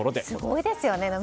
すごいですよね。